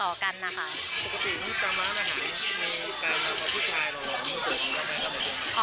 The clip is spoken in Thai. สามารถอย่างนี้กลัวพวกผู้ชายรอว่าว่ามีละตายกันมากกว่า